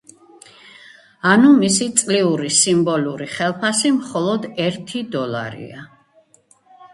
ანუ, მისი წლიური სიმბოლური ხელფასი მხოლოდ ერთი დოლარია.